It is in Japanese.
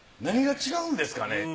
何が違うんですかね。